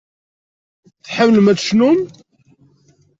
Tḥemmlem ad tecnum?